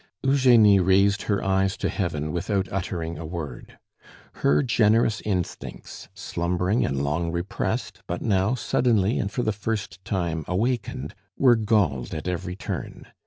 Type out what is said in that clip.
Eugenie raised her eyes to heaven without uttering a word. Her generous instincts, slumbering and long repressed but now suddenly and for the first time awakened, were galled at every turn.